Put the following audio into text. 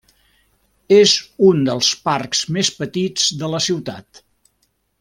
És un dels parcs més petits de la ciutat.